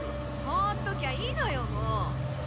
放っときゃいいのよもう！